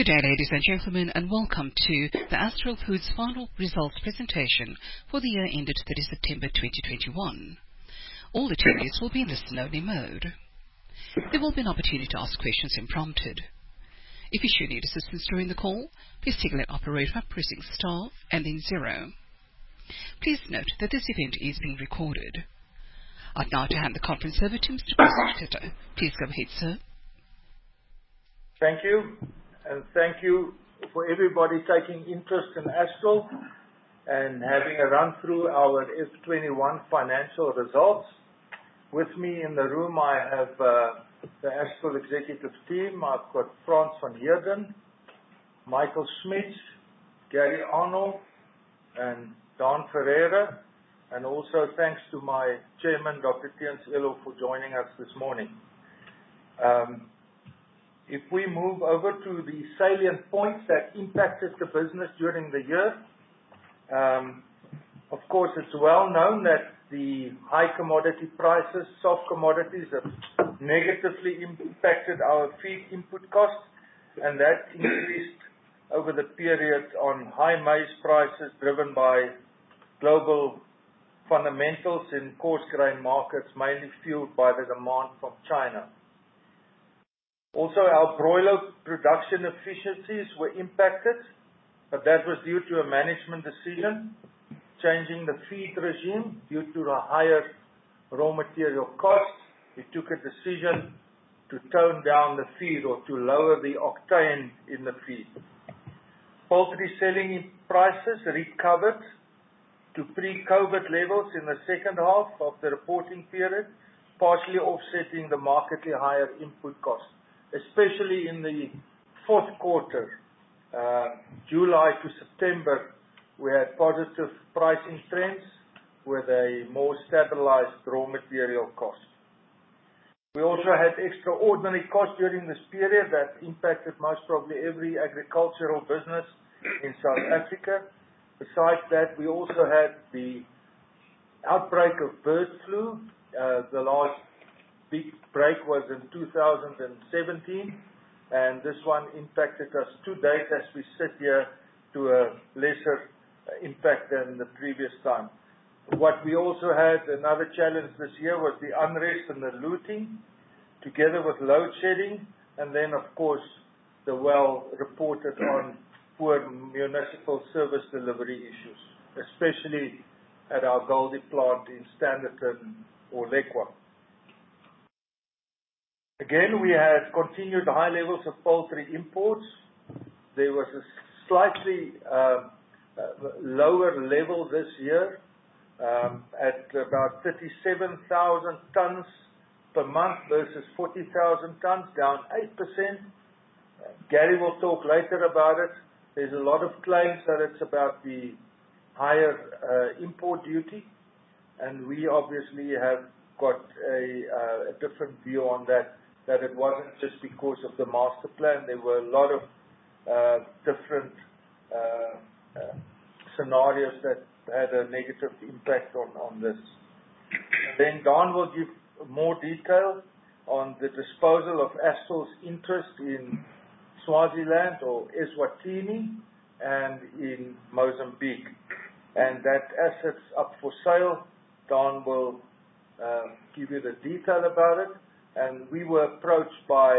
Good day, ladies and gentlemen, and welcome to the Astral Foods Final Results Presentation for the year ended 30 September 2021. All attendees will be in listen only mode. There will be an opportunity to ask questions when prompted. If you should need assistance during the call, please signal operator by pressing star and then zero. Please note that this event is being recorded. I'd now to hand the conference over to Mr. Schutte. Please go ahead, sir. Thank you. Thank you for everybody taking interest in Astral and having a run through our FY 2021 financial results. With me in the room, I have the Astral executive team. I've got Frans van Heerden, Michael Schmitz, Gary Arnold, and Daan Ferreira. Also, thanks to my chairman, Dr. Theunis Eloff, for joining us this morning. If we move over to the salient points that impacted the business during the year. Of course, it's well known that the high commodity prices, soft commodities, have negatively impacted our feed input costs, and that increased over the period on high maize prices driven by global fundamentals in coarse grain markets, mainly fueled by the demand from China. Also, our broiler production efficiencies were impacted, but that was due to a management decision changing the feed regime due to the higher raw material costs. We took a decision to tone down the feed or to lower the octane in the feed. Poultry selling prices recovered to pre-COVID levels in the second half of the reporting period, partially offsetting the markedly higher input costs. Especially in the fourth quarter, July to September, we had positive pricing trends with a more stabilized raw material cost. We also had extraordinary costs during this period that impacted most probably every agricultural business in South Africa. Besides that, we also had the outbreak of bird flu. The last big outbreak was in 2017, and this one impacted us to date as we sit here to a lesser impact than the previous time. What we also had, another challenge this year, was the unrest and the looting together with load shedding. Of course, the well-reported poor municipal service delivery issues, especially at our Goldi plant in Standerton or Lekwa. We have continued high levels of poultry imports. There was a slightly lower level this year at about 37,000 tons per month versus 40,000 tons, down 8%. Gary will talk later about it. There's a lot of claims that it's about the higher import duty, and we obviously have got a different view on that it wasn't just because of the Master Plan. There were a lot of different scenarios that had a negative impact on this. Daan will give more detail on the disposal of Astral's interest in Swaziland or Eswatini and in Mozambique. That asset's up for sale. Daan will give you the detail about it. We were approached by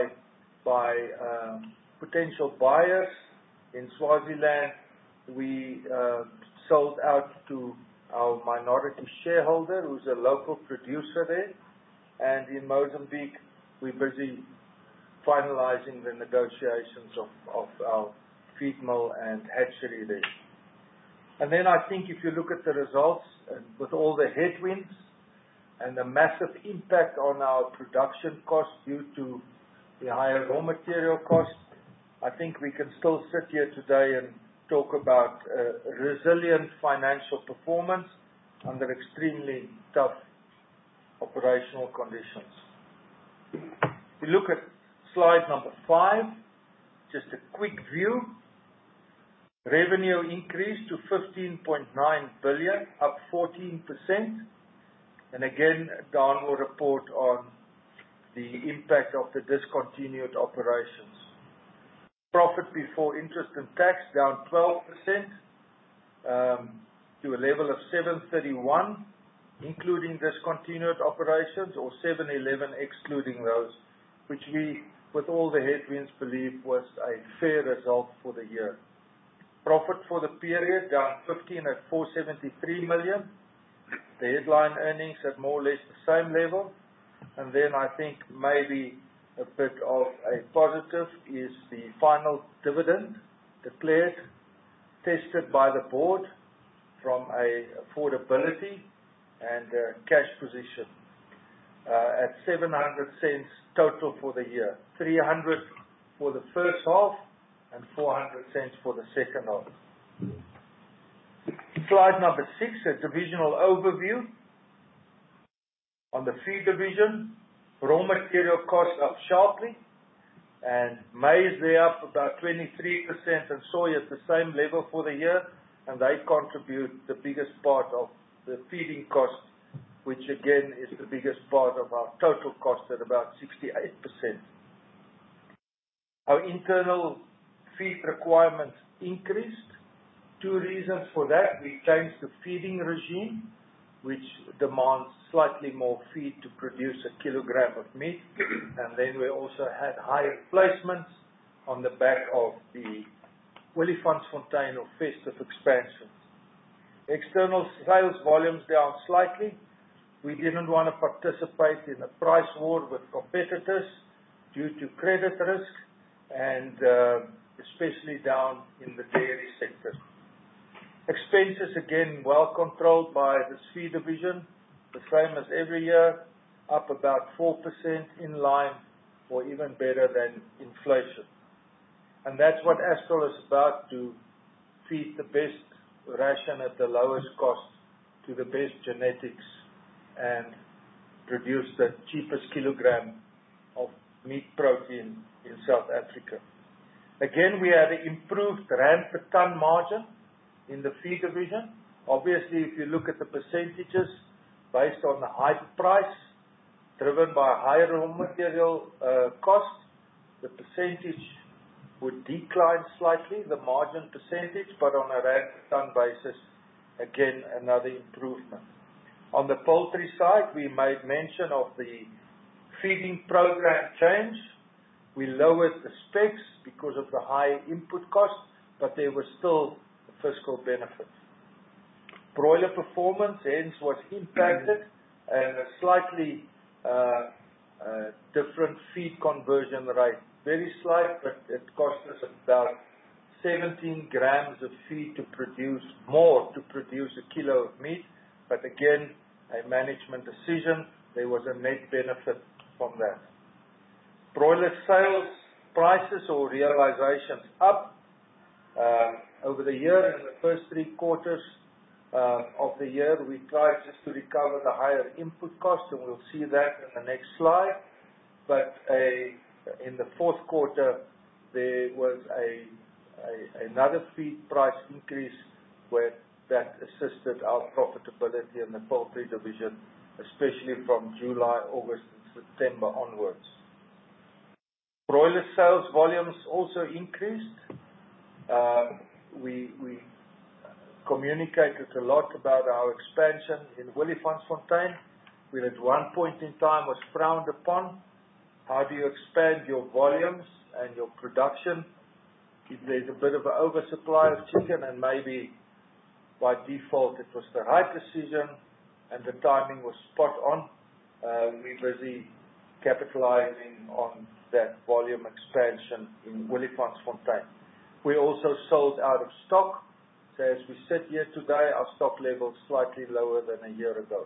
potential buyers in Swaziland. We sold out to our minority shareholder who's a local producer there. In Mozambique, we're busy finalizing the negotiations of our feed mill and hatchery there. Then I think if you look at the results and with all the headwinds and the massive impact on our production costs due to the higher raw material costs, I think we can still sit here today and talk about a resilient financial performance under extremely tough operational conditions. If you look at slide number five, just a quick view. Revenue increased to 15.9 billion, up 14%. Again, Daan will report on the impact of the discontinued operations. Profit before interest and tax down 12% to a level of 731 million, including discontinued operations or 711 excluding those, which we, with all the headwinds, believe was a fair result for the year. Profit for the period down 15% at 473 million. The headline earnings at more or less the same level. I think maybe a bit of a positive is the final dividend declared attested by the board from an affordability and cash position at 7.00 total for the year. 3.00 for the first half and 4.00 for the second half. Slide number six, a divisional overview. On the Feed Division, raw material costs up sharply. Maize they are about 23% and soya is the same level for the year, and they contribute the biggest part of the feeding cost, which again is the biggest part of our total cost at about 68%. Our internal feed requirements increased. Two reasons for that. We changed the feeding regime, which demands slightly more feed to produce a kilogram of meat. Then we also had higher placements on the back of the Olifantsfontein or Festive expansions. External sales volumes down slightly. We didn't wanna participate in a price war with competitors due to credit risk and, especially down in the dairy sector. Expenses, again, well controlled by this Feed Division, the same as every year, up about 4% in line or even better than inflation. That's what Astral is about to feed the best ration at the lowest cost to the best genetics and produce the cheapest kilogram of meat protein in South Africa. Again, we had improved rand per ton margin in the feed division. Obviously, if you look at the percentages based on the higher price driven by higher raw material costs, the percentage would decline slightly, the margin percentage, but on a rand per ton basis, again, another improvement. On the poultry side, we made mention of the feeding program change. We lowered the specs because of the high input costs, but there were still fiscal benefits. Broiler performance hence was impacted and a slightly different feed conversion rate. Very slight, but it cost us about 17 grams of feed to produce a kilo of meat. Again, a management decision. There was a net benefit from that. Broiler sales prices or realization up over the year. In the first three quarters of the year, we tried just to recover the higher input costs, and we'll see that in the next slide. In the fourth quarter, there was another feed price increase where that assisted our profitability in the poultry division, especially from July, August, and September onwards. Broiler sales volumes also increased. We communicated a lot about our expansion in Olifantsfontein, which at one point in time was frowned upon. How do you expand your volumes and your production if there's a bit of an oversupply of chicken? Maybe by default it was the right decision and the timing was spot on. We're busy capitalizing on that volume expansion in Olifantsfontein. We also sold out of stock. As we sit here today, our stock level is slightly lower than a year ago.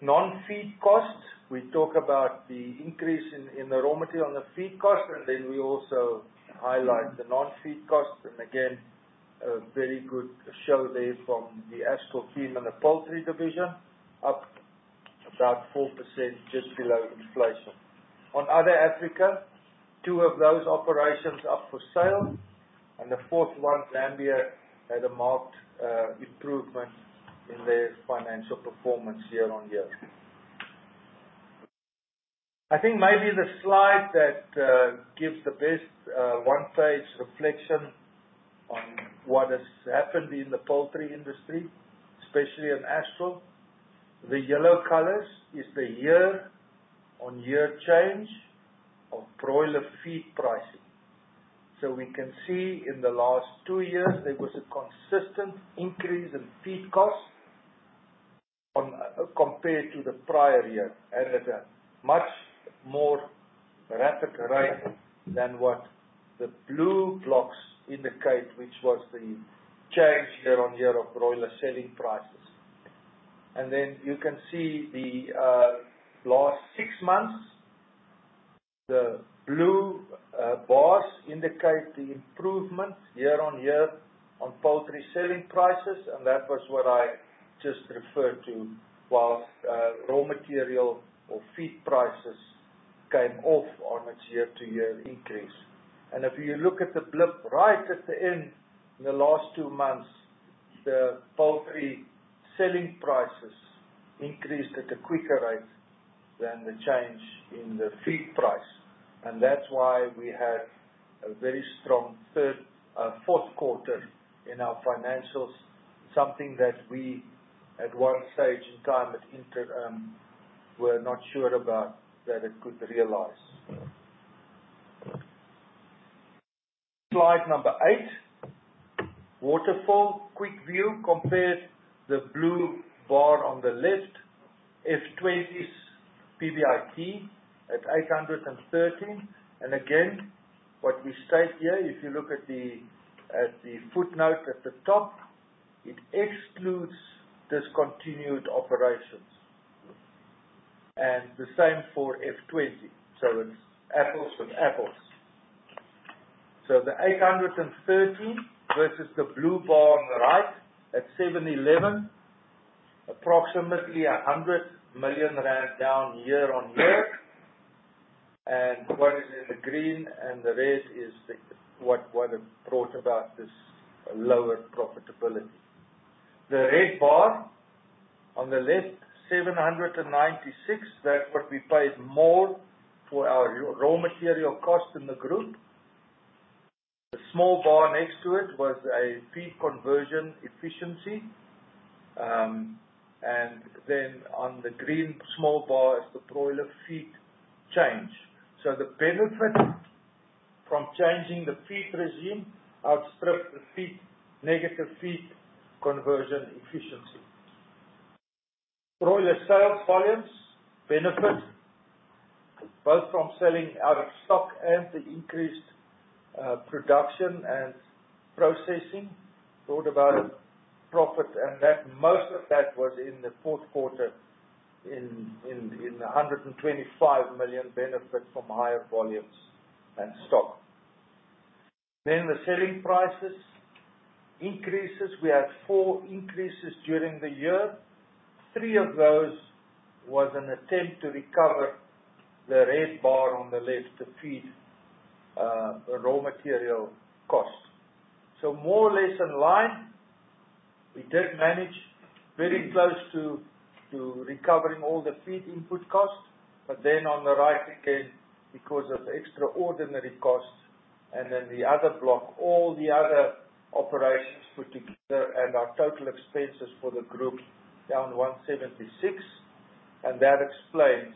Non-feed costs. We talk about the increase in the raw material and the feed cost, and then we also highlight the non-feed costs. Again, a very good show there from the Astral Feed and the Poultry division, up about 4% just below inflation. On other Africa, two of those operations up for sale and the fourth one, Zambia, had a marked improvement in their financial performance year-on-year. I think maybe the slide that gives the best one page reflection on what has happened in the poultry industry, especially in Astral. The yellow colors is the year-on-year change of broiler feed pricing. We can see in the last 2 years there was a consistent increase in feed costs compared to the prior year and at a much more rapid rate than what the blue blocks indicate, which was the change year-on-year of broiler selling prices. You can see the last six months, the blue bars indicate the improvements year-on-year on poultry selling prices, and that was what I just referred to, whilst raw material or feed prices came off on its year-to-year increase. If you look at the blip right at the end, in the last two months, the poultry selling prices increased at a quicker rate than the change in the feed price. That's why we had a very strong third, fourth quarter in our financials, something that we at one stage in time at interim were not sure about that it could realize. Slide number eight. Waterfall quick view. Compare the blue bar on the left. FY 2020's PBIT at 813. Again, what we state here, if you look at the footnote at the top, it excludes discontinued operations. The same for FY 2020. It's apples with apples. The 813 versus the blue bar on the right at 711, approximately ZAR 100 million down year-on-year. What is in the green and the red is what brought about this lower profitability. The red bar on the left, 796. That's what we paid more for our raw material cost in the group. The small bar next to it was a feed conversion efficiency. Then on the green small bar is the broiler feed change. The benefit from changing the feed regime outstripped the feed negative feed conversion efficiency. Broiler sales volumes benefit both from selling out of stock and the increased production and processing brought about a profit, and that most of that was in the fourth quarter in the 125 million benefit from higher volumes and stock. The selling prices increases. We had four increases during the year. Three of those was an attempt to recover the red bar on the left to feed raw material costs. More or less in line, we did manage very close to recovering all the feed input costs. On the right again, because of extraordinary costs, and then the other block, all the other operations put together and our total expenses for the group down 176 million, and that explains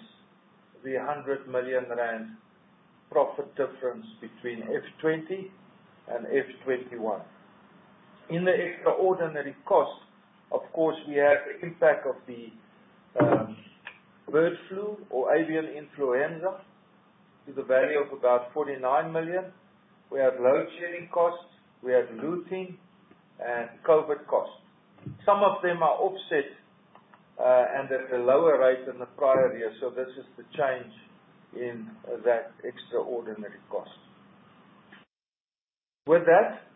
the 100 million rand profit difference between FY 2020 and FY 2021. In the extraordinary costs, of course, we have the impact of the bird flu or avian influenza to the value of about 49 million. We have load shedding costs, we have looting and COVID costs. Some of them are offset, and at a lower rate than the prior year. This is the change in that extraordinary cost. With that,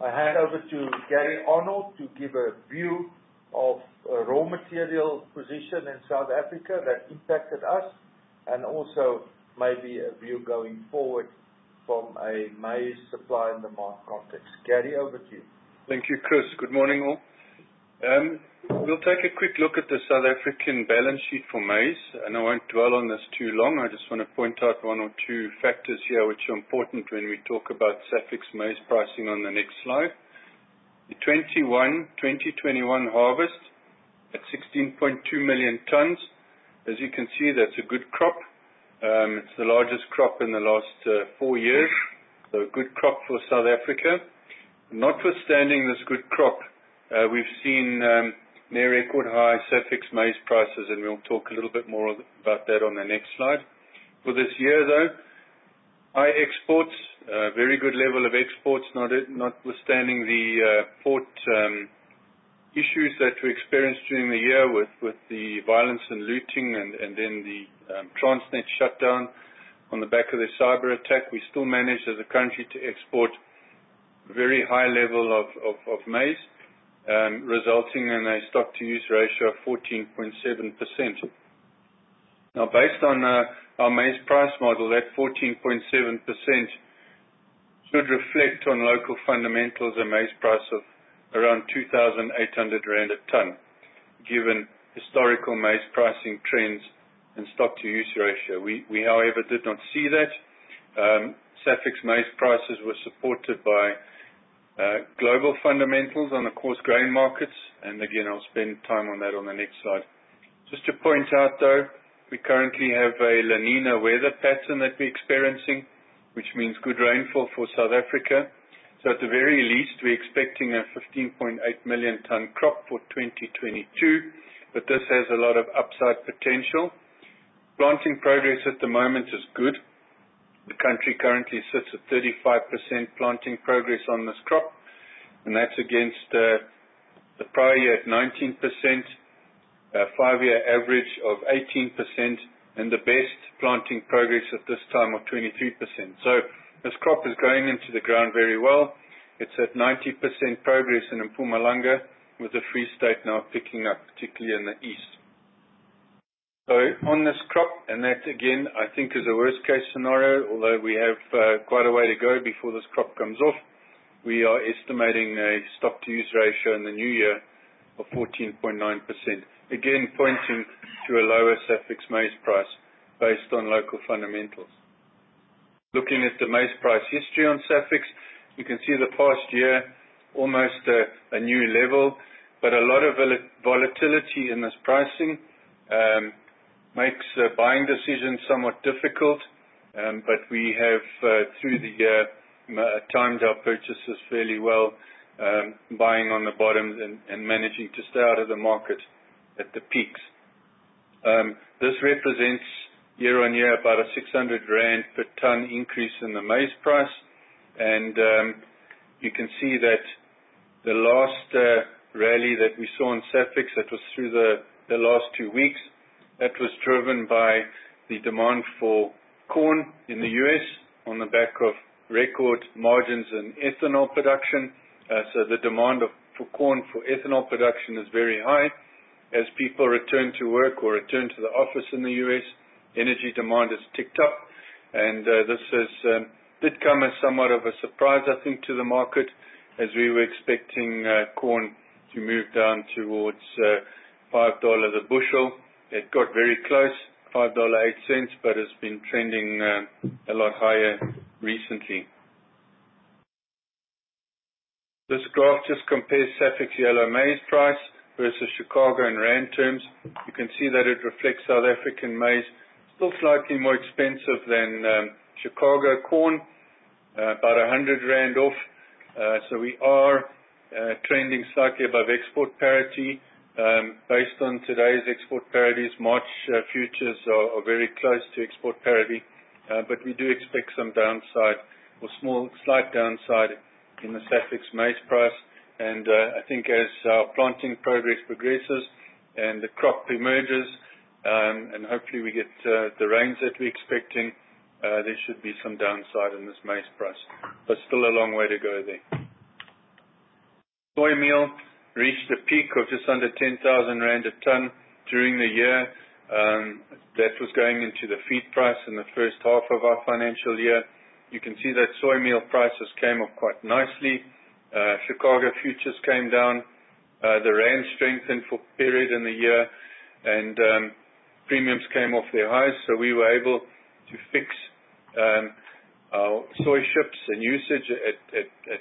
I hand over to Gary Arnold to give a view of a raw material position in South Africa that impacted us and also maybe a view going forward from a maize supply and demand context. Gary, over to you. Thank you, Chris. Good morning, all. We'll take a quick look at the South African balance sheet for maize, and I won't dwell on this too long. I just wanna point out one or two factors here which are important when we talk about SAFEX maize pricing on the next slide. The 2020/2021 harvest at 16.2 million tons. As you can see, that's a good crop. It's the largest crop in the last four years. A good crop for South Africa. Notwithstanding this good crop, we've seen near record high SAFEX maize prices, and we'll talk a little bit more about that on the next slide. For this year though, high exports, very good level of exports, notwithstanding the port issues that we experienced during the year with the violence and looting and then the Transnet shutdown on the back of the cyberattack. We still managed as a country to export very high level of maize, resulting in a stock to use ratio of 14.7%. Now based on our maize price model, that 14.7% should reflect on local fundamentals a maize price of around 2,800 rand a ton, given historical maize pricing trends and stock to use ratio. We however did not see that. SAFEX maize prices were supported by global fundamentals on the coarse grain markets, and again, I'll spend time on that on the next slide. Just to point out though, we currently have a La Niña weather pattern that we're experiencing which means good rainfall for South Africa. At the very least, we're expecting a 15.8 million ton crop for 2022, but this has a lot of upside potential. Planting progress at the moment is good. The country currently sits at 35% planting progress on this crop, and that's against the prior year at 19%, a 5-year average of 18% and the best planting progress at this time of 23%. This crop is growing into the ground very well. It's at 90% progress in Mpumalanga with the Free State now picking up, particularly in the east. On this crop, and that again I think is a worst-case scenario, although we have quite a way to go before this crop comes off. We are estimating a stock to use ratio in the new year of 14.9%. Again, pointing to a lower SAFEX maize price based on local fundamentals. Looking at the maize price history on SAFEX, you can see the past year almost a new level, but a lot of volatility in this pricing makes buying decisions somewhat difficult. We have through the year timed our purchases fairly well, buying on the bottoms and managing to stay out of the market at the peaks. This represents year-on-year about 600 rand per ton increase in the maize price and you can see that. The last rally that we saw in Safex was through the last two weeks. That was driven by the demand for corn in the US on the back of record margins in ethanol production. The demand for corn for ethanol production is very high. As people return to work or return to the office in the US, energy demand has ticked up. This did come as somewhat of a surprise, I think, to the market, as we were expecting corn to move down towards $5 the bushel. It got very close, $5.08, but it's been trending a lot higher recently. This graph just compares SAFEX yellow maize price versus Chicago in rand terms. You can see that it reflects South African maize, still slightly more expensive than Chicago corn, about 100 rand off. We are trending slightly above export parity. Based on today's export parities, March futures are very close to export parity. We do expect some downside or small slight downside in the SAFEX maize price. I think as our planting progresses and the crop emerges, and hopefully we get the rains that we're expecting, there should be some downside in this maize price. Still a long way to go there. Soy meal reached a peak of just under 10,000 rand a ton during the year. That was going into the feed price in the first half of our financial year. You can see that soy meal prices came up quite nicely. Chicago futures came down. The rand strengthened for a period in the year. Premiums came off their highs, so we were able to fix our soy shipments and usage at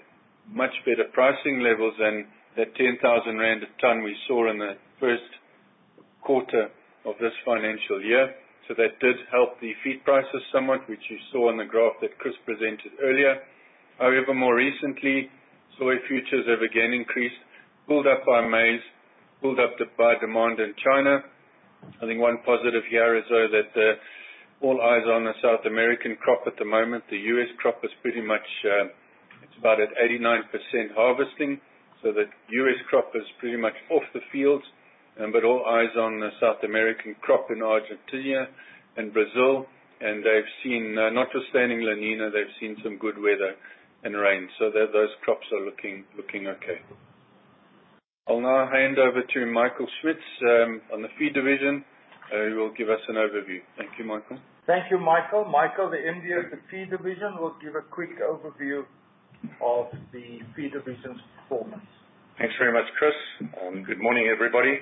much better pricing levels than that 10,000 rand a ton we saw in the first quarter of this financial year. That did help the feed prices somewhat, which you saw on the graph that Chris presented earlier. However, more recently, soy futures have again increased, pulled up by maize and by demand in China. I think one positive here is, though, that all eyes are on the South American crop at the moment. The U.S. crop is pretty much at about 89% harvesting. The U.S. crop is pretty much off the fields. But all eyes on the South American crop in Argentina and Brazil. They've seen, notwithstanding La Niña, some good weather and rain. Those crops are looking okay. I'll now hand over to Michael Schmitz on the Feed Division. He will give us an overview. Thank you, Michael. Thank you, Michael. Michael, the MD of the Feed Division, will give a quick overview of the Feed Division's performance. Thanks very much, Chris, and good morning, everybody.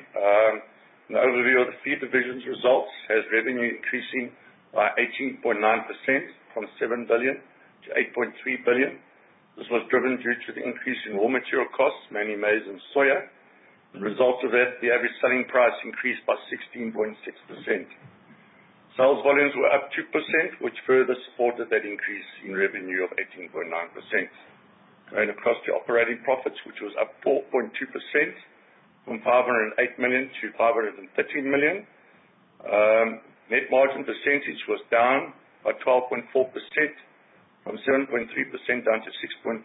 An overview of the feed division's results has revenue increasing by 18.9% from 7 billion to 8.3 billion. This was driven due to the increase in raw material costs, mainly maize and soya. As a result of that, the average selling price increased by 16.6%. Sales volumes were up 2%, which further supported that increase in revenue of 18.9%. Going across to operating profits, which was up 4.2% from 508 million to 513 million. Net margin percentage was down by 12.4% from 7.3% down to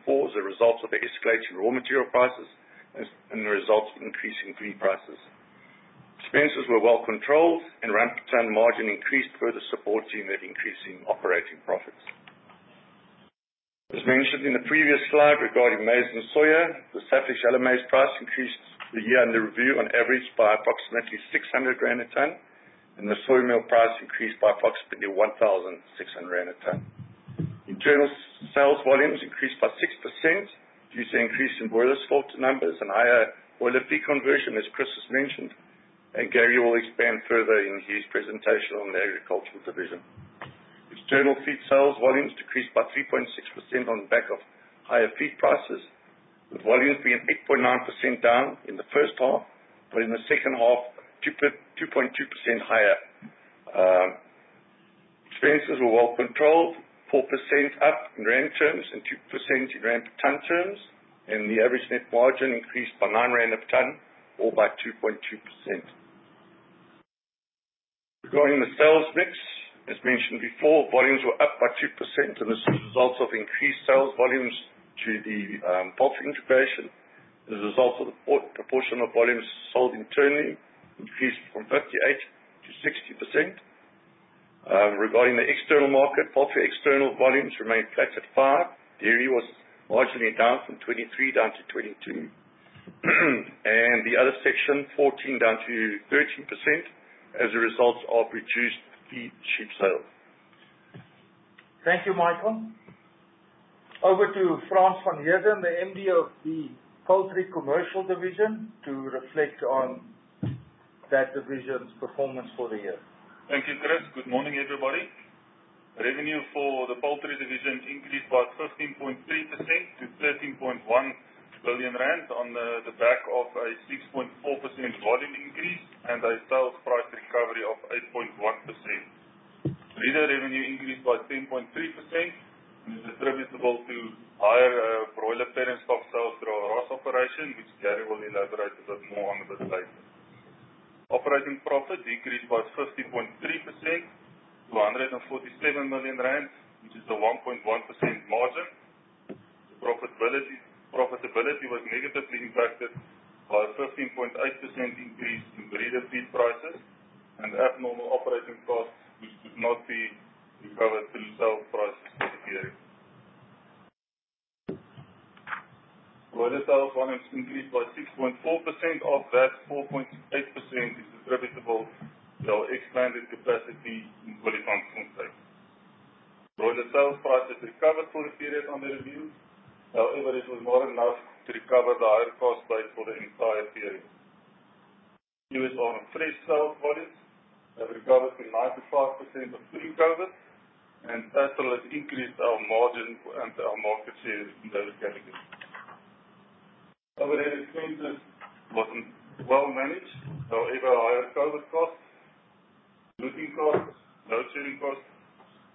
6.4% as a result of the escalation in raw material prices, the result of increasing feed prices. Expenses were well controlled and rand per ton margin increased, further supporting that increase in operating profits. As mentioned in the previous slide regarding maize and soy, the SAFEX yellow maize price increased the year under review on average by approximately 600 rand a ton, and the soy meal price increased by approximately 1,600 rand a ton. Internal sales volumes increased by 6% due to increase in broiler stock numbers and higher broiler feed conversion, as Chris has mentioned, and Gary will expand further in his presentation on the agriculture division. External feed sales volumes decreased by 3.6% on the back of higher feed prices, with volumes being 8.9% down in the first half, but in the second half, 2.2% higher. Expenses were well controlled, 4% up in ZAR terms and 2% in ZAR per ton terms, and the average net margin increased by 9 rand a ton or by 2.2%. Regarding the sales mix, as mentioned before, volumes were up by 2%, and this is a result of increased sales volumes due to the poultry integration. As a result of the proportion of volumes sold internally increased from 58% to 60%. Regarding the external market, poultry external volumes remained flat at 5%. Dairy was marginally down from 23% to 22%. The other section, 14% down to 13% as a result of reduced feedstuff sales. Thank you, Michael. Over to Frans van Heerden, the MD of the poultry commercial division, to reflect on that division's performance for the year. Thank you, Chris. Good morning, everybody. Revenue for the poultry division increased by 15.3% to 13.1 billion rand on the back of a 6.4% volume increase and a sales price recovery of 8.1%. Breeder revenue increased by 10.3% and is attributable to higher broiler parent stock sales through our Ross operation, which Gary will elaborate a bit more on a bit later. Operating profit decreased by 50.3% to 147 million rand, which is a 1.1% margin. Profitability was negatively impacted by a 15.8% increase in breeder feed prices and abnormal operating costs, which should not be recovered through sale prices this period. Broiler sales volumes increased by 6.4%. Of that, 4.8% is attributable to our expanded capacity in Olifantsfontein. Broiler sales prices recovered for the period under review. However, this was not enough to recover the higher cost base for the entire period. Fresh sales volumes have recovered to 95% of pre-COVID, and Astral has increased our margin and our market share in those categories. Overhead expenses wasn't well managed. However, higher COVID costs, looting costs, load shedding costs,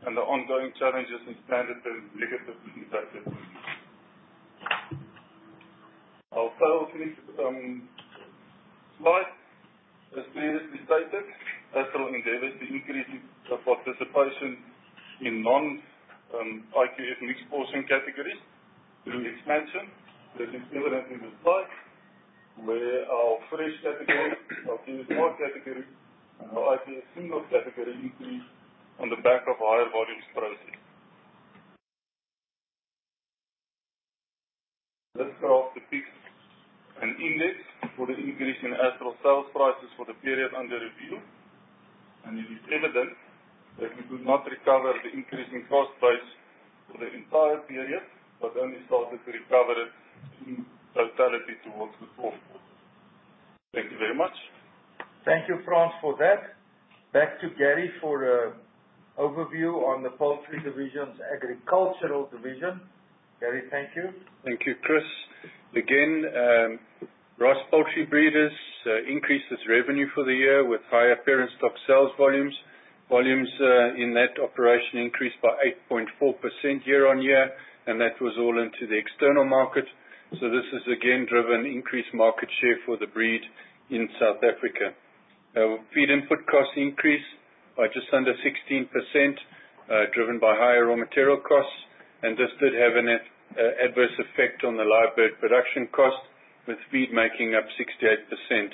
and the ongoing challenges in Standerton were negatively impacted. Our sales mix slide. As previously stated, Astral endeavored to increase its participation in non IQF mixed portion categories through expansion. This is evident in the slide where our fresh category, our [inaudible] category, and our IQF single category increased on the back of higher volumes processed. This graph depicts an index for the increase in Astral sales prices for the period under review, and it is evident that we could not recover the increase in cost price for the entire period, but only started to recover it in totality towards the fourth quarter. Thank you very much. Thank you, Frans, for that. Back to Gary for an overview on the poultry division's agricultural division. Gary, thank you. Thank you, Chris. Again, Ross Poultry Breeders increased its revenue for the year with higher parent stock sales volumes. Volumes in that operation increased by 8.4% year-on-year, and that was all into the external market. This has again driven increased market share for the breed in South Africa. Now, feed input costs increased by just under 16%, driven by higher raw material costs. This did have an adverse effect on the live bird production costs, with feed making up 68%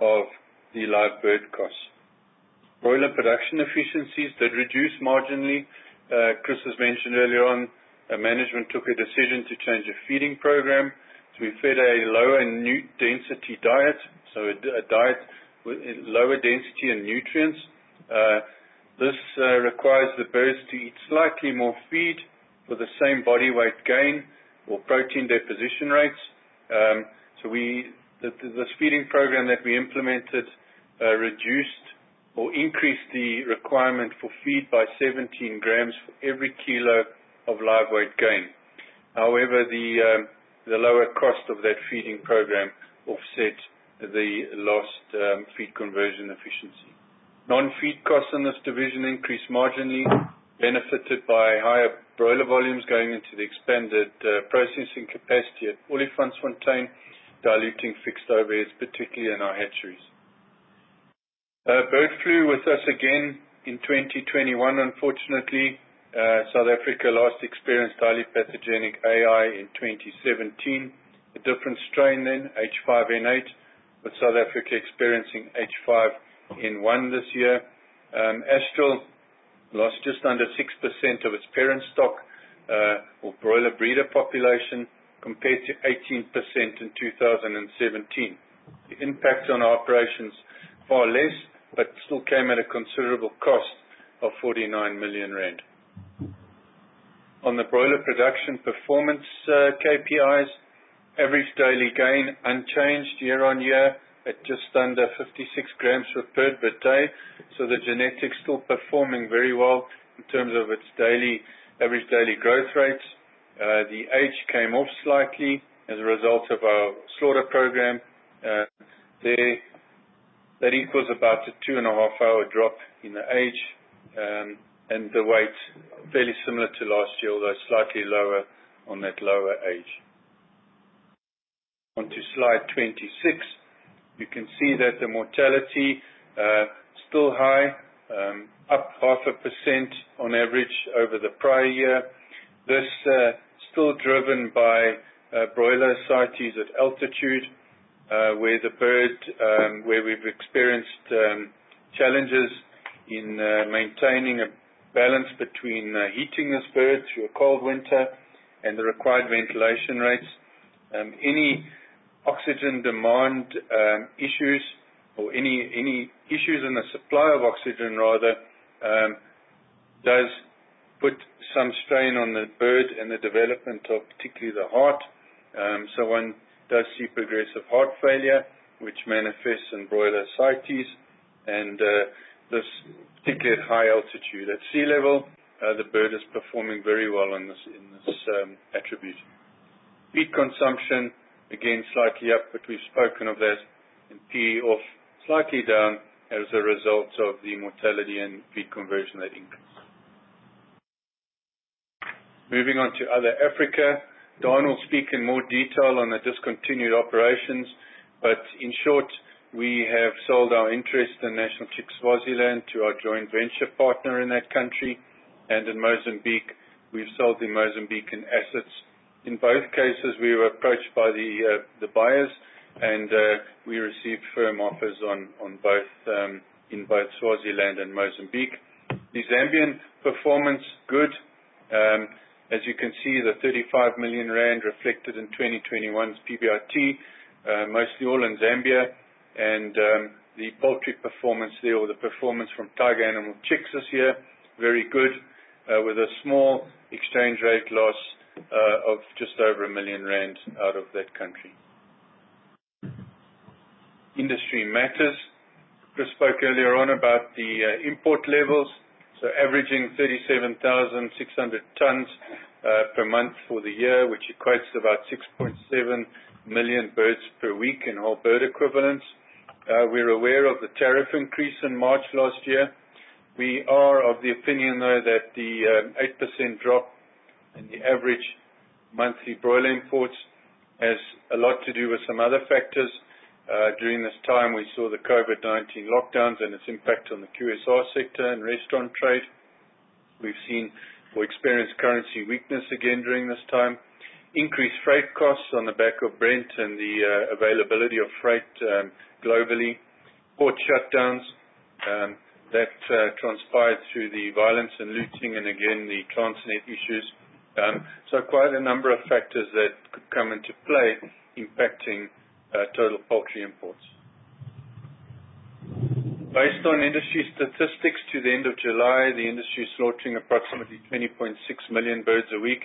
of the live bird costs. Broiler production efficiencies did reduce marginally. Chris has mentioned earlier on, management took a decision to change the feeding program to feed a lower nutrient density diet, a diet with lower density in nutrients. This requires the birds to eat slightly more feed for the same body weight gain or protein deposition rates. This feeding program that we implemented reduced or increased the requirement for feed by 17 grams for every kilo of live weight gain. However, the lower cost of that feeding program offset the lost feed conversion efficiency. Non-feed costs in this division increased marginally, benefited by higher broiler volumes going into the expanded processing capacity at Olifantsfontein, diluting fixed overheads, particularly in our hatcheries. Bird flu with us again in 2021, unfortunately. South Africa last experienced highly pathogenic AI in 2017. A different strain then, H5N8, with South Africa experiencing H5N1 this year. Astral lost just under 6% of its parent stock or broiler breeder population, compared to 18% in 2017. The impact on our operations far less, but still came at a considerable cost of 49 million rand. On the broiler production performance KPIs, average daily gain unchanged year on year at just under 56 grams per bird per day. The genetics still performing very well in terms of its average daily growth rates. The age came off slightly as a result of our slaughter program. That equals about a 2.5-hour drop in the age, and the weight fairly similar to last year, although slightly lower on that lower age. Onto slide 26. You can see that the mortality still high, up 0.5% on average over the prior year. This is still driven by broiler sites at altitude where we've experienced challenges in maintaining a balance between heating this bird through a cold winter and the required ventilation rates. Any oxygen demand issues or any issues in the supply of oxygen rather does put some strain on the bird and the development of particularly the heart. One does see progressive heart failure, which manifests in broiler sites and this particularly at high altitude. At sea level the bird is performing very well in this attribute. Feed consumption, again, slightly up, but we've spoken of this, and PEF slightly down as a result of the mortality and feed conversion rate increase. Moving on to other Africa. Daan Ferreira will speak in more detail on the discontinued operations. In short, we have sold our interest in National Chicks Swaziland to our joint venture partner in that country. In Mozambique, we've sold the Mozambican assets. In both cases, we were approached by the buyers and we received firm offers on both in both Swaziland and Mozambique. The Zambian performance good. As you can see, the 35 million rand reflected in 2021's PBIT, mostly all in Zambia and the poultry performance there or the performance from Tiger Animal Feeds this year, very good, with a small exchange rate loss of just over 1 million rand out of that country. Industry matters. Chris spoke earlier on about the import levels, so averaging 37,600 tons per month for the year, which equates to about 6.7 million birds per week in whole bird equivalents. We're aware of the tariff increase in March last year. We are of the opinion, though, that the 8% drop in the average monthly broiler imports has a lot to do with some other factors. During this time, we saw the COVID-19 lockdowns and its impact on the QSR sector and restaurant trade. We've seen or experienced currency weakness again during this time. Increased freight costs on the back of Brent and the availability of freight globally. Port shutdowns that transpired through the violence and looting and again, the Transnet issues. Quite a number of factors that could come into play impacting total poultry imports. Based on industry statistics, to the end of July, the industry is slaughtering approximately 20.6 million birds a week.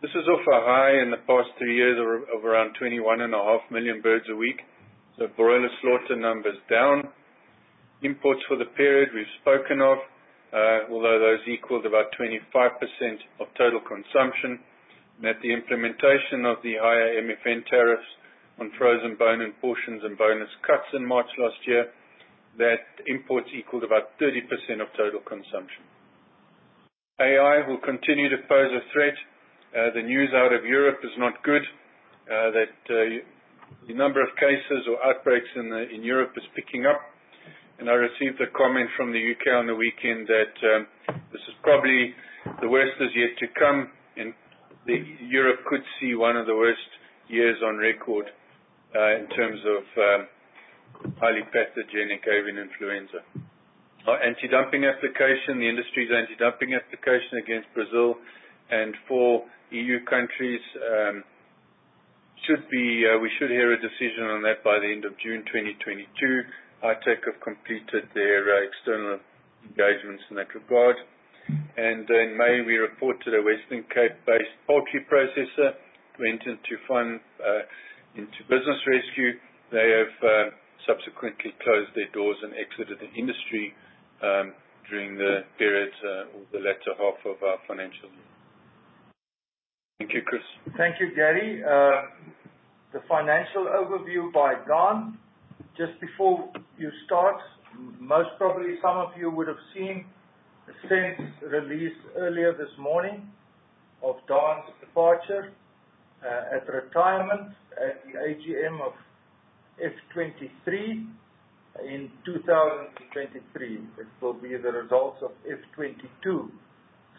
This is off a high in the past three years of around 21.5 million birds a week. Broiler slaughter numbers down. Imports for the period we've spoken of, although those equaled about 25% of total consumption. At the implementation of the higher MFN tariffs on frozen bone and portions and boneless cuts in March last year, that imports equaled about 30% of total consumption. AI will continue to pose a threat. The news out of Europe is not good, that the number of cases or outbreaks in Europe is picking up. I received a comment from the U.K. on the weekend that this is probably the worst is yet to come, and Europe could see one of the worst years on record in terms of highly pathogenic avian influenza. Our anti-dumping application, the industry's anti-dumping application against Brazil and 4 EU countries, we should hear a decision on that by the end of June 2022. ITAC have completed their external engagements in that regard. In May, we reported a Western Cape-based poultry processor went into business rescue. They have subsequently closed their doors and exited the industry during the period or the latter half of our financial year. Thank you, Chris. Thank you, Gary. The financial overview by Daan. Just before you start, most probably some of you would have seen a SENS release earlier this morning of Daan's departure at retirement at the AGM of FY 2023 in 2023. It will be the results of FY 2022.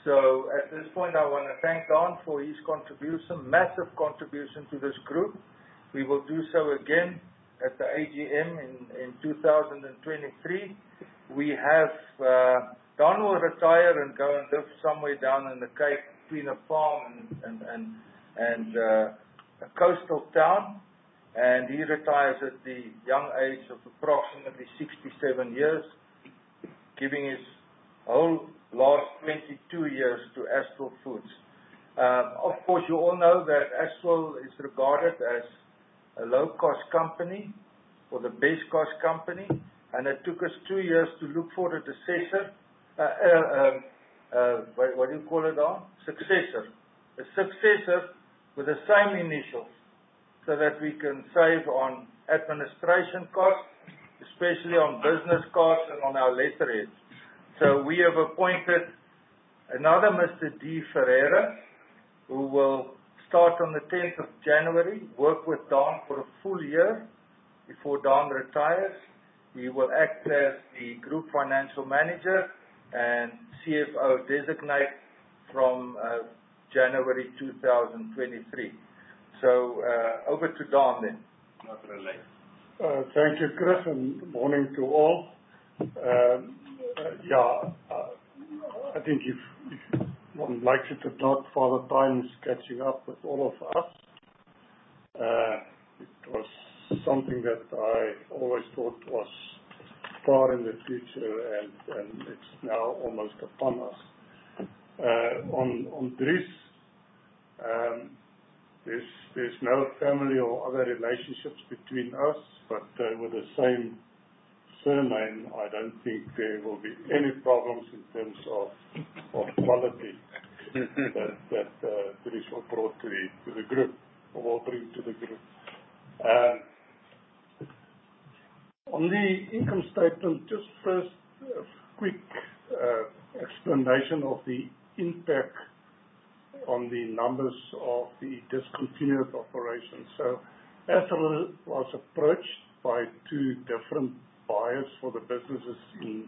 At this point, I wanna thank Daan for his contribution, massive contribution to this group. We will do so again at the AGM in 2023. Daan will retire and go and live somewhere down in the Cape between a farm and a coastal town. He retires at the young age of approximately 67 years, giving his whole last 22 years to Astral Foods. Of course, you all know that Astral is regarded as a low-cost company or the best cost company, and it took us two years to look for a successor. What do you call it, Daan? Successor. A successor with the same initials so that we can save on administration costs, especially on business cards and on our letterheads. We have appointed another Mr. Daan Ferreira, who will start on the tenth of January, work with Daan for a full year before Daan retires. He will act as the group financial manager and CFO designate from January 2023. Over to Daan then. Not really. Thank you, Chris, and morning to all. I think no one likes it a lot, Father Time's catching up with all of us. It was something that I always thought was far in the future, and it's now almost upon us. On Chris, there's no family or other relationships between us, but with the same surname, I don't think there will be any problems in terms of quality that Chris will bring to the group. On the income statement, just first a quick explanation of the impact on the numbers of the discontinued operations. Astral was approached by two different buyers for the businesses in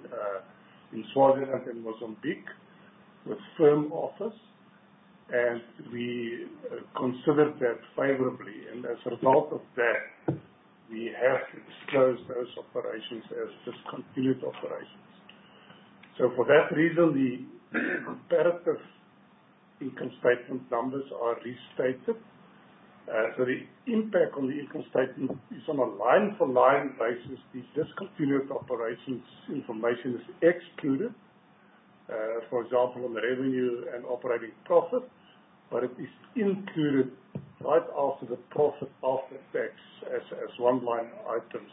Swaziland and Mozambique with firm offers, and we considered that favorably. As a result of that, we have to disclose those operations as discontinued operations. For that reason, the comparative income statement numbers are restated. The impact on the income statement is on a line-by-line basis. The discontinued operations information is excluded, for example, on the revenue and operating profit, but it is included right after the profit after tax as one line item.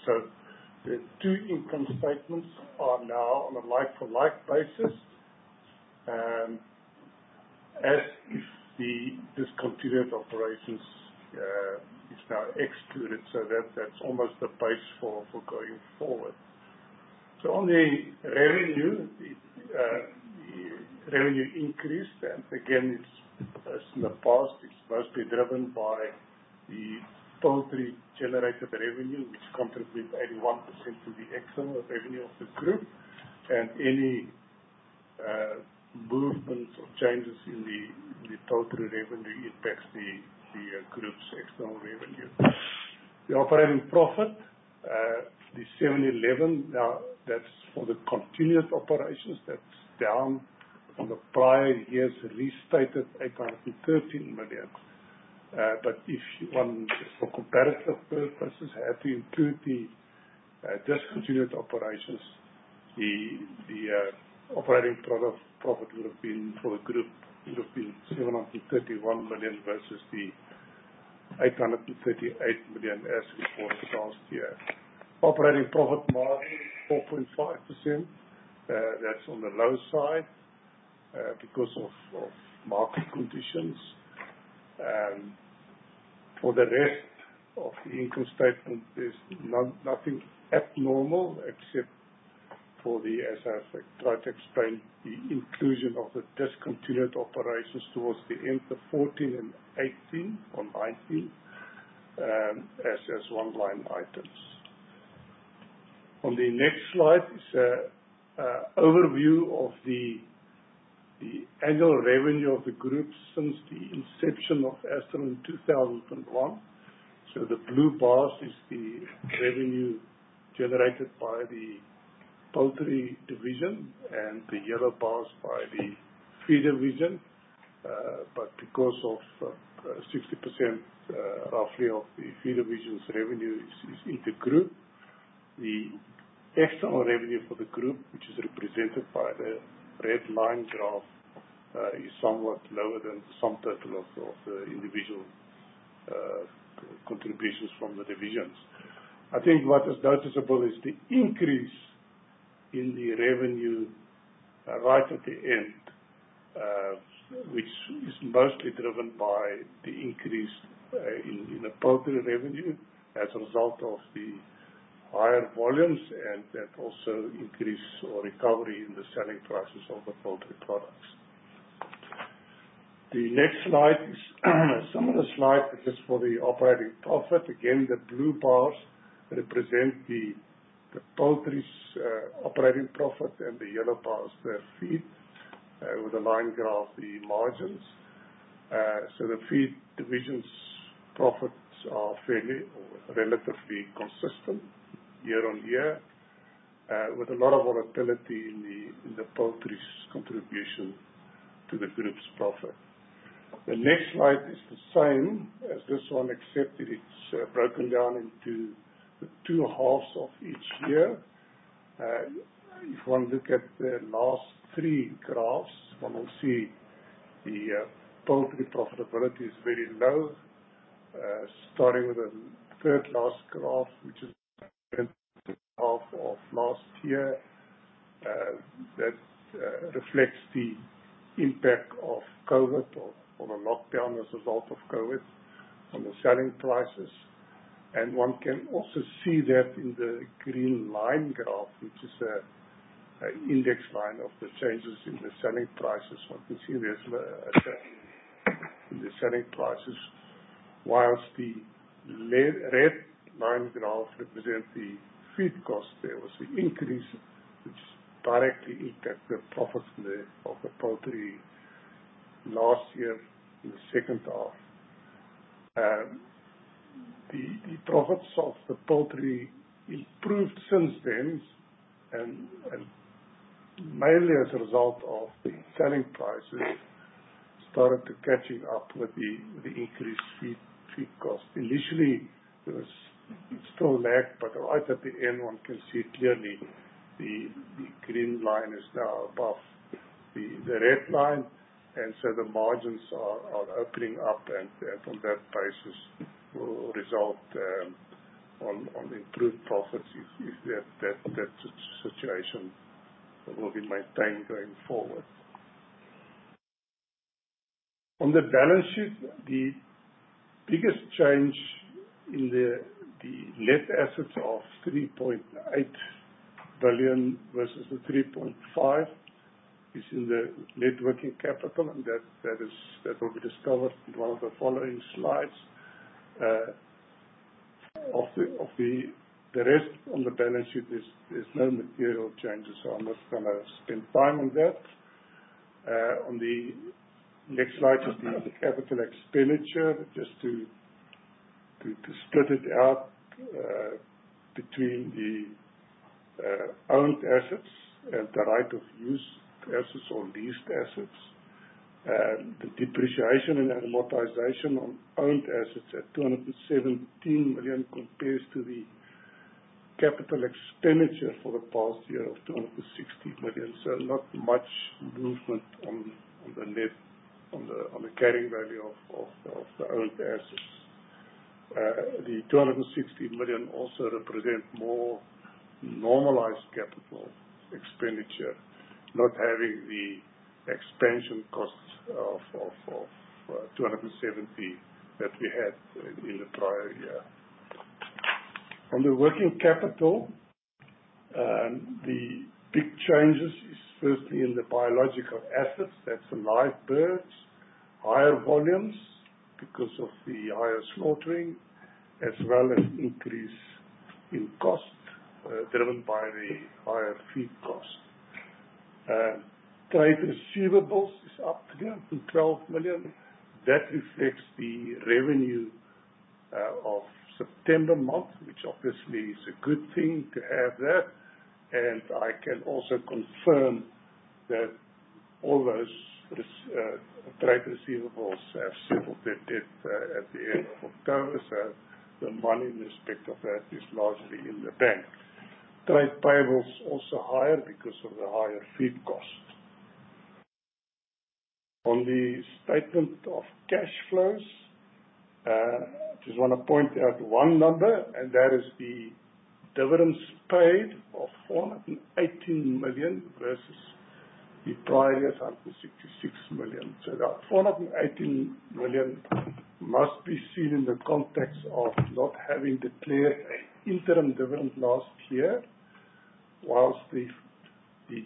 The two income statements are now on a like-for-like basis, as if the discontinued operations is now excluded. That, that's almost the base for going forward. On the revenue, the revenue increased. Again, it's as in the past, it's mostly driven by the poultry generated revenue, which contributes 81% to the external revenue of the group. Any movements or changes in the total revenue impacts the group's external revenue. The operating profit, the 711 now that's for the continuing operations. That's down from the prior year's restated 813 million. But if one for comparative purposes had to include the discontinued operations, the operating profit would have been for the group 731 million versus the 838 million as reported last year. Operating profit margin, 4.5%. That's on the low side because of market conditions. For the rest of the income statement, there's nothing abnormal except for the, as I've tried to explain, the inclusion of the discontinued operations towards the end of 2014 and 2018 or 2019, as one line items. On the next slide is an overview of the annual revenue of the group since the inception of Astral in 2001. The blue bars is the revenue generated by the poultry division and the yellow bars by the feed division. Because of roughly 60% of the feed division's revenue is in the group. The external revenue for the group, which is represented by the red line graph, is somewhat lower than the sum total of the individual contributions from the divisions. I think what is noticeable is the increase in the revenue right at the end, which is mostly driven by the increase in the poultry revenue as a result of the higher volumes, and that also increase or recovery in the selling prices of the poultry products. The next slide is a similar slide, but just for the operating profit. Again, the blue bars represent the poultry's operating profit and the yellow bars the feed with the line graph, the margins. The feed division's profits are fairly or relatively consistent year-on-year with a lot of volatility in the poultry's contribution to the group's profit. The next slide is the same as this one, except that it's broken down into the two halves of each year. If one look at the last three graphs, one will see the poultry profitability is very low. Starting with the third last graph, which is the half of last year. That reflects the impact of COVID-19 or the lockdown as a result of COVID-19 on the selling prices. One can also see that in the green line graph, which is an index line of the changes in the selling prices. One can see there's a change in the selling prices. While the red line graph represent the feed cost. There was an increase which directly impact the profits of the poultry last year in the second half. The profits of the poultry improved since then and mainly as a result of the selling prices started to catching up with the increased feed cost. Initially, there was still lag, but right at the end one can see clearly the green line is now above the red line, and so the margins are opening up. On that basis will result in improved profits if that situation will be maintained going forward. On the balance sheet, the biggest change in the net assets of 3.8 billion versus the 3.5 billion is in the net working capital, and that will be discovered in one of the following slides. The rest on the balance sheet is no material changes, so I'm not gonna spend time on that. On the next slide is the capital expenditure, just to split it out between the owned assets and the right of use assets or leased assets. The depreciation and amortization on owned assets at 217 million compare to the capital expenditure for the past year of 260 million. Not much movement on the net carrying value of the owned assets. The 260 million also represent more normalized capital expenditure, not having the expansion costs of 270 that we had in the prior year. On the working capital, the big changes are firstly in the biological assets. That's the live birds. Higher volumes because of the higher slaughtering, as well as increase in cost driven by the higher feed costs. Trade receivables are up to 12 million. That reflects the revenue of September month, which obviously is a good thing to have that. I can also confirm that all those trade receivables have settled their debt at the end of October, so the money with respect to that is largely in the bank. Trade payables also higher because of the higher feed cost. On the statement of cash flows, just wanna point out one number, and that is the dividends paid of 418 million versus the prior year's 166 million. That 418 million must be seen in the context of not having declared an interim dividend last year. While the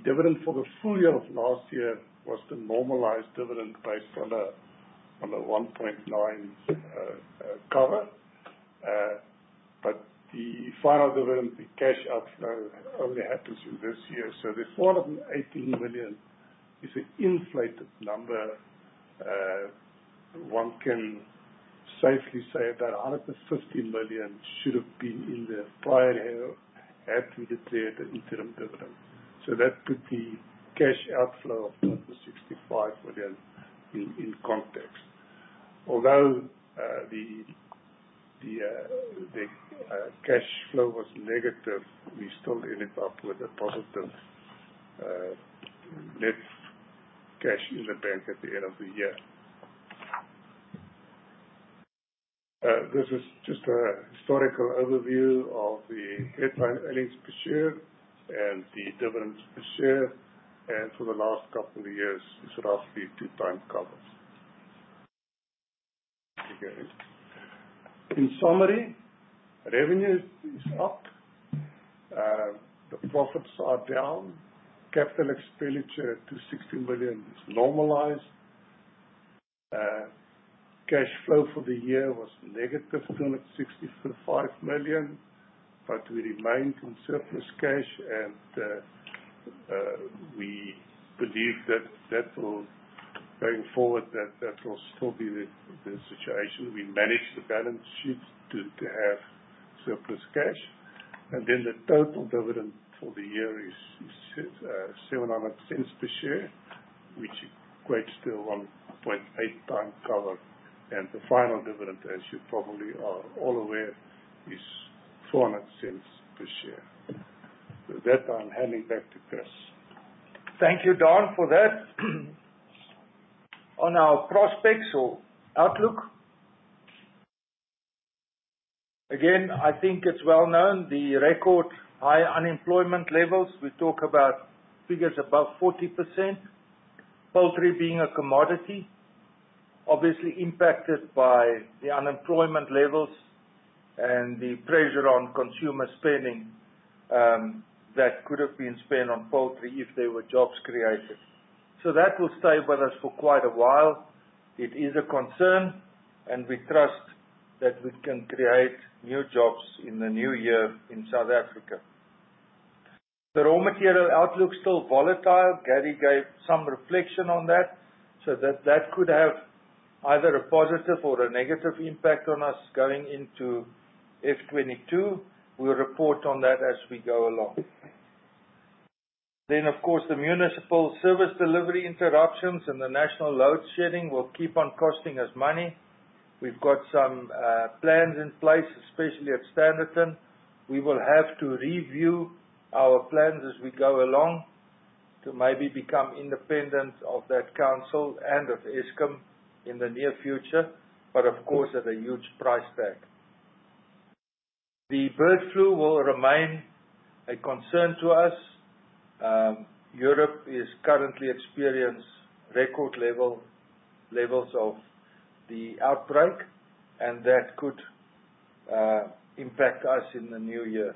dividend for the full year of last year was the normalized dividend based on a 1.9 cover. The final dividend, the cash outflow only happens in this year. The 418 million is an inflated number. One can safely say that a 150 million should have been in the prior year had we declared the interim dividend. That put the cash outflow of 265 million in context. Although the cash flow was negative, we still ended up with a positive net cash in the bank at the end of the year. This is just a historical overview of the headline earnings per share and the dividends per share. For the last couple of years, it's roughly two times covered. Okay. In summary, revenue is up. The profits are down. Capital expenditure to 16 billion is normalized. Cash flow for the year was negative 265 million, but we remained in surplus cash, and we believe that will, going forward, still be the situation. We managed the balance sheet to have surplus cash. The total dividend for the year is 7.00 per share, which equates to a 1.8 times cover. The final dividend, as you probably are all aware, is 4.00 per share. With that, I'm handing back to Chris. Thank you, Daan, for that. On our prospects or outlook. Again, I think it's well known the record high unemployment levels. We talk about figures above 40%. Poultry being a commodity obviously impacted by the unemployment levels and the pressure on consumer spending that could have been spent on poultry if there were jobs created. That will stay with us for quite a while. It is a concern, and we trust that we can create new jobs in the new year in South Africa. The raw material outlook's still volatile. Gary gave some reflection on that. That could have either a positive or a negative impact on us going into FY 2022. We'll report on that as we go along. Of course, the municipal service delivery interruptions and the national load shedding will keep on costing us money. We've got some plans in place, especially at Standerton. We will have to review our plans as we go along to maybe become independent of that council and of Eskom in the near future, but of course, at a huge price tag. The bird flu will remain a concern to us. Europe is currently experiencing record levels of the outbreak, and that could impact us in the new year.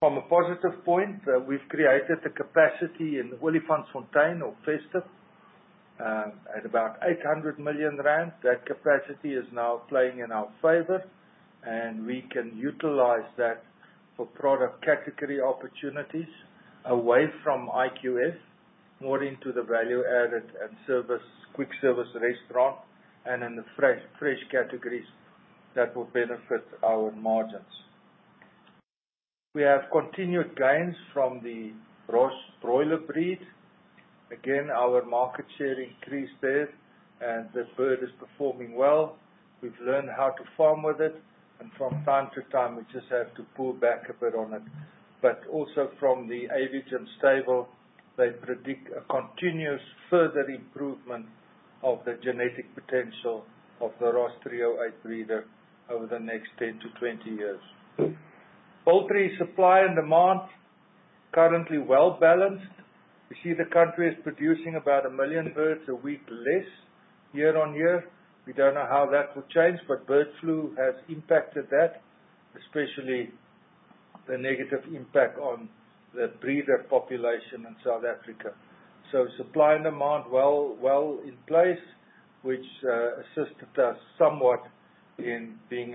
From a positive point, we've created a capacity in Olifantsfontein or Free State, at about 800 million rand. That capacity is now playing in our favor, and we can utilize that for product category opportunities away from IQF, more into the value-added and service, quick service restaurant and in the fresh categories that will benefit our margins. We have continued gains from the Ross broiler breed. Again, our market share increased there, and the bird is performing well. We've learned how to farm with it, and from time to time we just have to pull back a bit on it. Also, from the Aviagen stable, they predict a continuous further improvement of the genetic potential of the Ross 308 breeder over the next 10-20 years. Poultry supply and demand currently well-balanced. You see the country is producing about 1 million birds a week less year-on-year. We don't know how that will change, but bird flu has impacted that, especially the negative impact on the breeder population in South Africa. Supply and demand well in place, which assisted us somewhat in being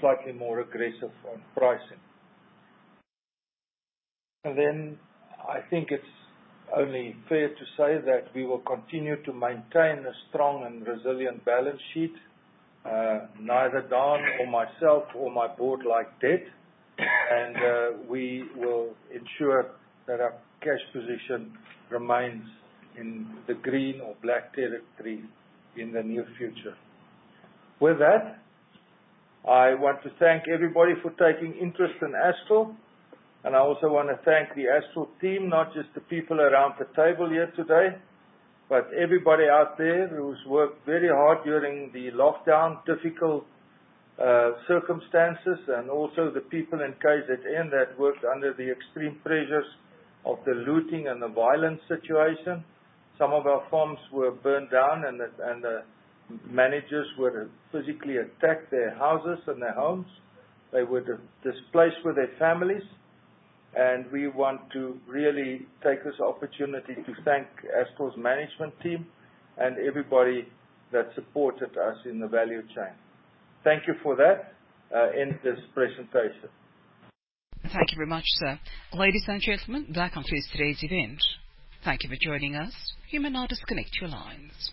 slightly more aggressive on pricing. I think it's only fair to say that we will continue to maintain a strong and resilient balance sheet. Neither Daan or myself or my board like debt, and we will ensure that our cash position remains in the green or black territory in the near future. With that, I want to thank everybody for taking interest in Astral, and I also wanna thank the Astral team, not just the people around the table here today, but everybody out there who's worked very hard during the lockdown difficult circumstances, and also the people in KZN that worked under the extreme pressures of the looting and the violent situation. Some of our farms were burned down, and the managers were physically attacked, their houses and their homes. They were displaced with their families. We want to really take this opportunity to thank Astral's management team and everybody that supported us in the value chain. Thank you for that, end this presentation. Thank you very much, sir. Ladies and gentlemen, that concludes today's event. Thank you for joining us. You may now disconnect your lines.